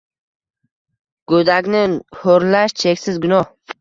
Go’dakni ho’rlash- cheksiz gunoh.